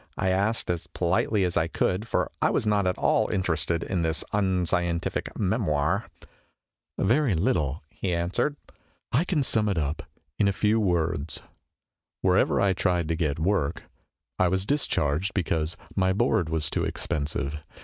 I asked as politely as I could, for I \vas not at all interested in this unscientific memoir. " Very little," he answered. " I can sum it up in a few words. Wherever I tried to get work, I was discharged, because my board was too expensive.